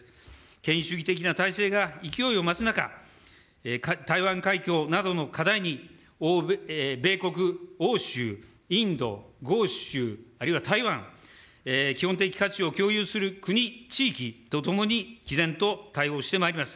権威主義的な体制が勢いを増す中、台湾海峡などの課題に米国、欧州、インド、豪州、あるいは台湾、基本的価値を共有する国、地域とともにきぜんと対応してまいります。